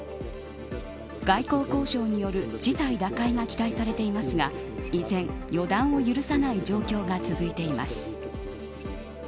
外交交渉による事態打開への期待されていますが依然、予断を許さない状況が続いています。